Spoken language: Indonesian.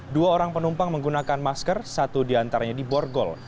dua orang penumpang menggunakan masker satu diantaranya di borgol